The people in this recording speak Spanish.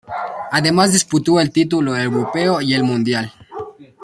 Además disputó el título europeo y el mundial.